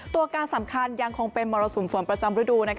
ตัวการสำคัญยังคงเป็นมรสุมฝนประจำฤดู